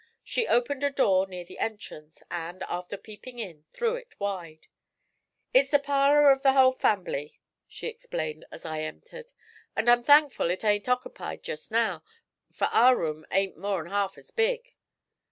She opened a door near the entrance, and, after peeping in, threw it wide. 'It's the parlour of the hull fambily,' she explained as I entered, 'and I'm thankful it ain't ockerpied jest now, for our room ain't more'n half as big.'